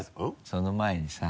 その前にさ